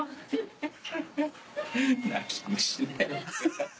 泣き虫ね。